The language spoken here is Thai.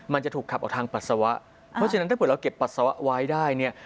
มันจะถูกขับออกทางปัสสาวะเพราะฉะนั้นถ้าเผื่อเราเก็บปัสสาวะไว้ได้เนี่ย